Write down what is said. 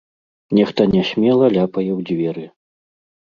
Нехта нясмела ляпае ў дзверы.